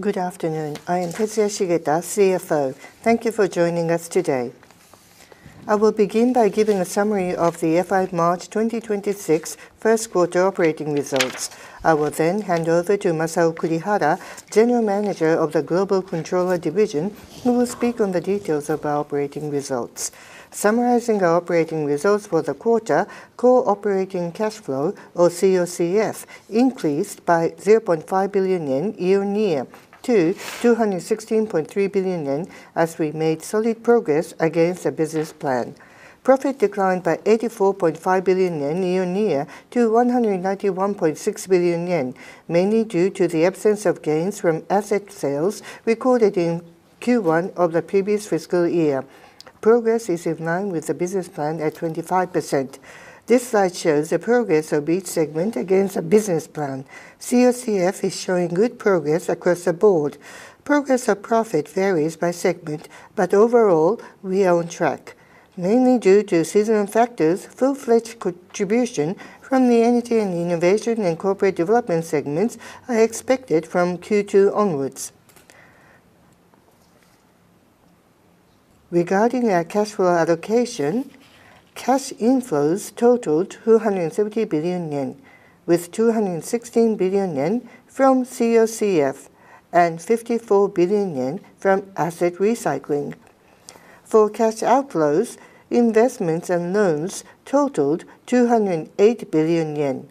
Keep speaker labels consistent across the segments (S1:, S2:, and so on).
S1: Good afternoon. I am Tetsuya Shigeta, CFO. Thank you for joining us today. I will begin by giving a summary of the fiscal March 2026 first quarter operating results. I will then hand over to Masaya Kawabe, General Manager of the Global Controller Division, who will speak on the details of our operating results. Summarizing our operating results for the quarter, core operating cash flow, or COCF, increased by ¥0.5 billion year-on-year to ¥216.3 billion, as we made solid progress against the business plan. Profit declined by ¥84.5 billion year-on-year to ¥191.6 billion, mainly due to the absence of gains from asset sales recorded in Q1 of the previous fiscal year. Progress is in line with the business plan at 25%. This slide shows the progress of each segment against the business plan. COCF is showing good progress across the board. Progress of profit varies by segment, but overall, we are on track, mainly due to seasonal factors. Full-fledged contribution from the Energy and Innovation and Corporate Development segments are expected from Q2 onwards. Regarding our cash flow allocation, cash inflows totaled ¥270 billion, with ¥216 billion from COCF and ¥54 billion from asset recycling. For cash outflows, investments and loans totaled ¥208 billion.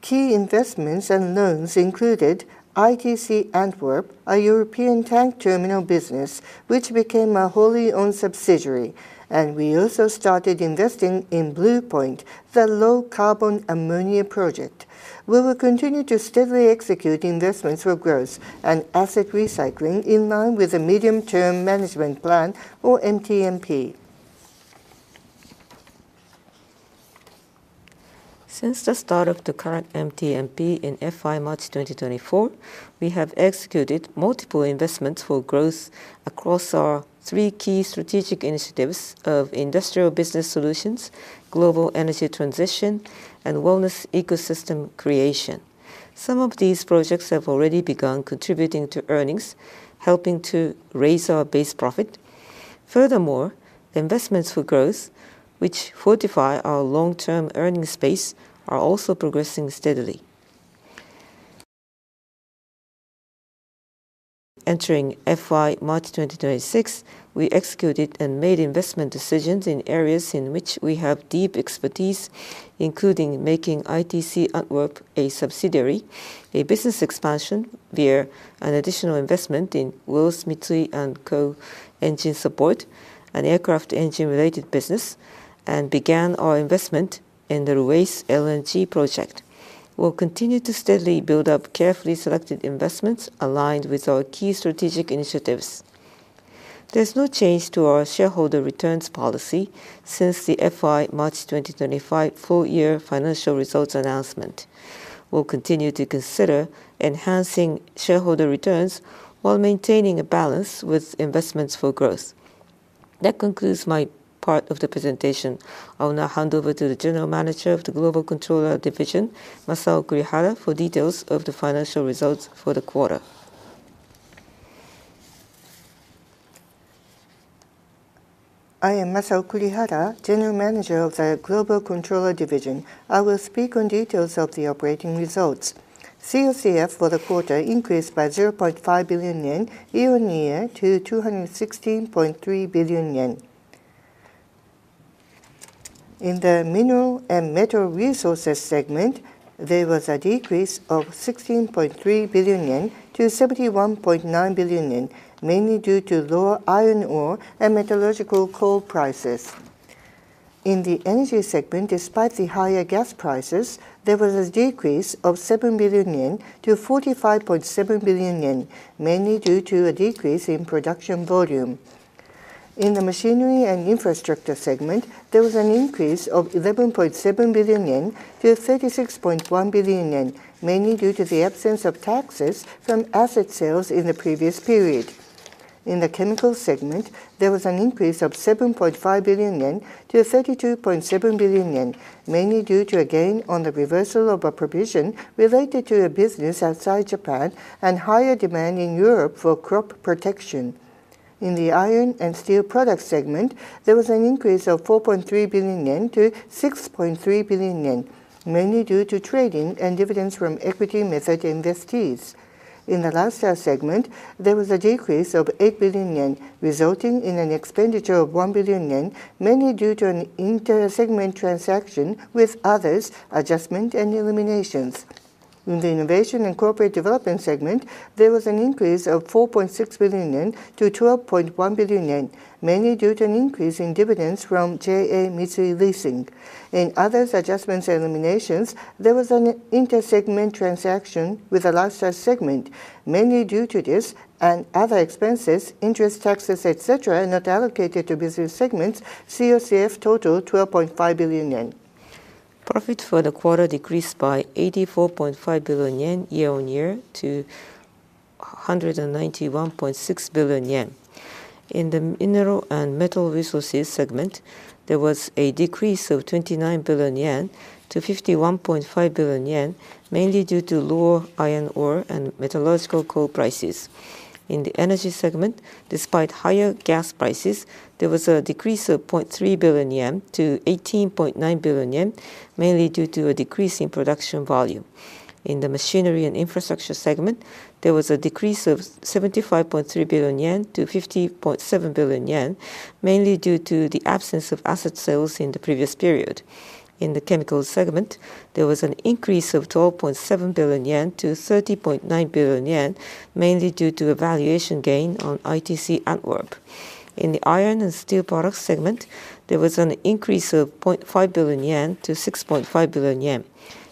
S1: Key investments and loans included ITC Antwerp, a European tank terminal business, which became a wholly owned subsidiary, and we also started investing in Blue Point, the low-carbon ammonia project. We will continue to steadily execute investments for growth and asset recycling in line with the Medium Term Management Plan, or MTMP. Since the start of the current MTMP in fiscal March 2024, we have executed multiple investments for growth across our three key strategic initiatives of industrial business solutions, global energy transition, and wellness ecosystem creation. Some of these projects have already begun contributing to earnings, helping to raise our base profit. Furthermore, investments for growth, which fortify our long-term earnings base, are also progressing steadily. Entering fiscal March 2026, we executed and made investment decisions in areas in which we have deep expertise, including making ITC Antwerp a subsidiary, a business expansion via an additional investment in Wells Mitsui & Co. engine support, an aircraft engine-related business, and began our investment in the Ruis LNG project. We will continue to steadily build up carefully selected investments aligned with our key strategic initiatives. There is no change to our shareholder returns policy since the March 2025 full-year financial results announcement. We will continue to consider enhancing shareholder returns while maintaining a balance with investments for growth. That concludes my part of the presentation. I will now hand over to the General Manager of the Global Controller Division, Masaya Kawabe, for details of the financial results for the quarter.
S2: I am Masaya Kawabe, General Manager of the Global Controller Division. I will speak on the details of the operating results. COCF for the quarter increased by ¥0.5 billion year-on-year to ¥216.3 billion. In the mineral and metal resources segment, there was a decrease of ¥16.3 billion to ¥71.9 billion, mainly due to lower iron ore and metallurgical coal prices. In the energy segment, despite the higher gas prices, there was a decrease of ¥7 billion to ¥45.7 billion, mainly due to a decrease in production volume. In the machinery and infrastructure segment, there was an increase of ¥11.7 billion to ¥36.1 billion, mainly due to the absence of taxes from asset sales in the previous period. In the chemicals segment, there was an increase of ¥7.5 billion to ¥32.7 billion, mainly due to a gain on the reversal of a provision related to a business outside Japan and higher demand in Europe for crop protection. In the iron and steel products segment, there was an increase of ¥4.3 billion to ¥6.3 billion, mainly due to trading and dividends from equity method investees. In the lifestyle segment, there was a decrease of ¥8 billion, resulting in an expenditure of ¥1 billion, mainly due to an intersegment transaction with others adjustment and eliminations. In the innovation and corporate development segment, there was an increase of ¥4.6 billion to ¥12.1 billion, mainly due to an increase in dividends from JA Mitsui Leasing. In others adjustments and eliminations, there was an intersegment transaction with the lifestyle segment. Mainly due to this and other expenses, interest, taxes, etc., not allocated to business segments, COCF totaled ¥12.5 billion.
S1: Profit for the quarter decreased by ¥84.5 billion year-on-year to ¥191.6 billion. In the mineral and metal resources segment, there was a decrease of ¥29 billion to ¥51.5 billion, mainly due to lower iron ore and metallurgical coal prices. In the energy segment, despite higher gas prices, there was a decrease of ¥0.3 billion to ¥18.9 billion, mainly due to a decrease in production volume. In the machinery and infrastructure segment, there was a decrease of ¥75.3 billion to ¥50.7 billion, mainly due to the absence of asset sales in the previous period. In the chemicals segment, there was an increase of ¥12.7 billion to ¥30.9 billion, mainly due to a valuation gain on ITC Antwerp. In the iron and steel products segment, there was an increase of ¥0.5 billion to ¥6.5 billion.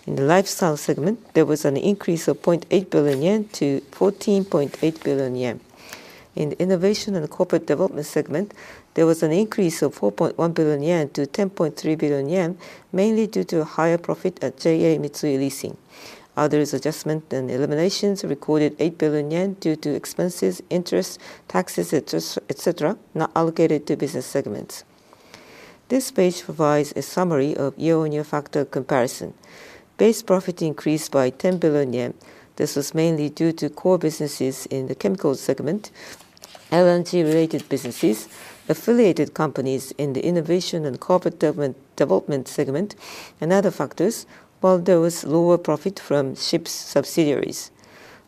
S1: In the lifestyle segment, there was an increase of ¥0.8 billion to ¥14.8 billion. In the innovation and corporate development segment, there was an increase of ¥4.1 billion to ¥10.3 billion, mainly due to a higher profit at JA Mitsui Leasing. Others adjustments and eliminations recorded ¥8 billion due to expenses, interest, taxes, etc., not allocated to business segments. This page provides a summary of year-on-year factor comparison. Base profit increased by ¥10 billion. This was mainly due to core businesses in the chemicals segment, LNG-related businesses, affiliated companies in the innovation and corporate development segment, and other factors, while there was lower profit from ship subsidiaries.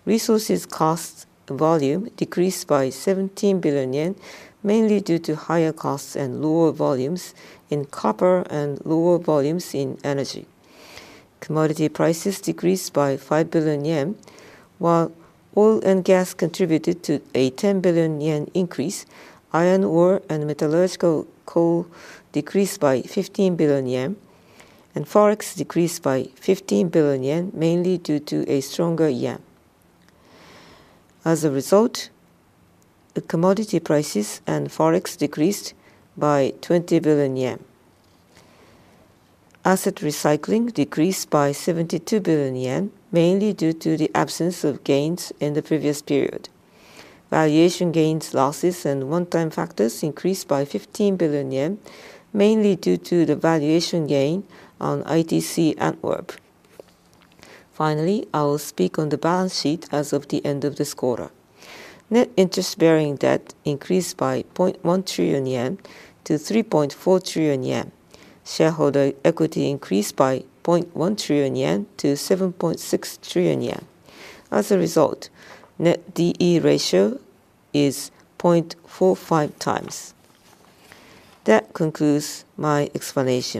S1: Resources cost volume decreased by ¥17 billion, mainly due to higher costs and lower volumes in copper and lower volumes in energy. Commodity prices decreased by ¥5 billion, while oil and gas contributed to a ¥10 billion increase. Iron ore and metallurgical coal decreased by ¥15 billion, and forex decreased by ¥15 billion, mainly due to a stronger yen. As a result, commodity prices and forex decreased by ¥20 billion. Asset recycling decreased by ¥72 billion, mainly due to the absence of gains in the previous period. Valuation gains, losses, and one-time factors increased by ¥15 billion, mainly due to the valuation gain on ITC Antwerp. Finally, I will speak on the balance sheet as of the end of this quarter. Net interest-bearing debt increased by ¥0.1 trillion to ¥3.4 trillion. Shareholder equity increased by ¥0.1 trillion to ¥7.6 trillion. As a result, net D/E ratio is 0.45 times. That concludes my explanation.